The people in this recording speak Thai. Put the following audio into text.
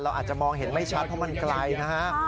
อาจจะมองเห็นไม่ชัดเพราะมันไกลนะฮะ